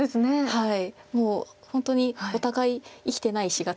はい。